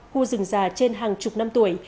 khu rừng già trên hàng chục năm tuổi